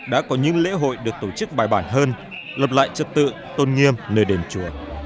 đã có những lễ hội được tổ chức bài bản hơn lập lại trật tự tôn nghiêm nơi đền chùa